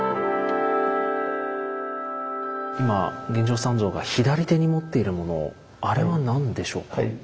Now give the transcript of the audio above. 今玄奘三蔵が左手に持っているものあれは何でしょうか？